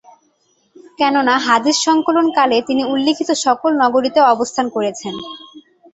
কেননা হাদীস সংকলন কালে তিনি উল্লিখিত সকল নগরীতে অবস্থান করেছেন।